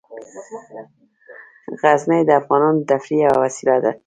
غزني د افغانانو د تفریح یوه وسیله ده.